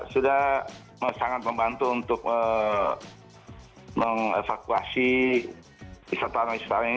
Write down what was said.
sudah sangat membantu untuk mengevakuasi wisatawan wisatawan ini